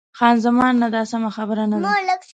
خان زمان: نه، دا سمه خبره نه ده.